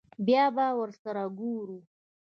بيا به ورسره گورو.